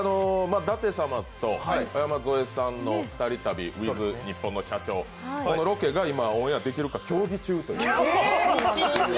舘様と山添さんの２人旅ｗｉｔｈニッポンの社長ロケが今、オンエアできるか協議中という。